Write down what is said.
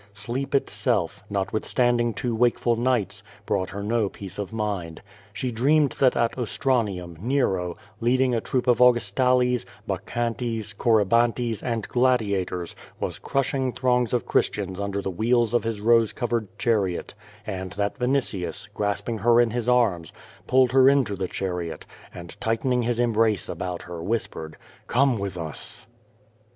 Sleep it self, notwithstanding two wakeful nights, brought her no peace of mind. She dreamed that at Ostranium, Nero, lead ing a troop of Augustales, bacchantes, corybantes, and gladia tors, was crushing throngs of Christians under the wheels of his rose covered chariot, and that Vinitius, grasping her in liis arms, ])ulled her into the chariot, and tightening his embrace about her, whispered: "Come with us."